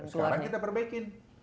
sekarang kita perbaikin